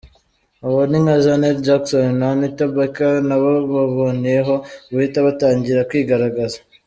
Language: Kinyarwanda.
Abo ni nka Janet Jackson na Anita Baker, nabo baboneyeho guhita batangira kwigaragaza.